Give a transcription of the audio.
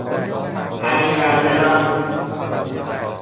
امیراردلان